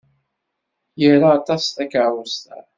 Ira aṭas takeṛṛust-a.